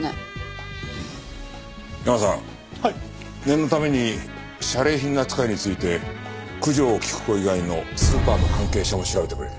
念のために謝礼品の扱いについて九条菊子以外のスーパーの関係者も調べてくれ。